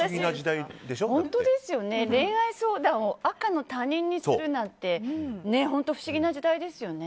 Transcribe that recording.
本当ですね、恋愛相談を赤の他人にするなんて不思議な時代ですよね。